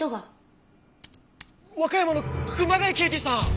和歌山の熊谷刑事さん！